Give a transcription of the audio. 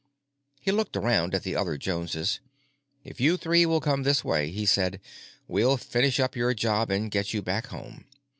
He looked around at the other Joneses. "If you three will come this way," he said, "we'll finish up your job and get you back home.